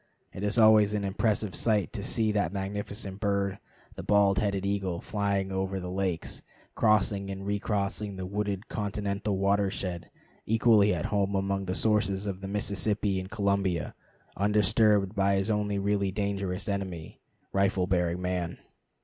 It is always an impressive sight to see that magnificent bird, the bald headed eagle, flying high over the lakes, crossing and recrossing the wooded continental watershed, equally at home among the sources of the Mississippi and Columbia, undisturbed by his only really dangerous enemy, rifle bearing man.